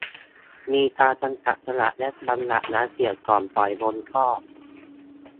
มีการกำจัดขยะและ บำบัดน้ำเสียก่อนปล่อยลงท่อ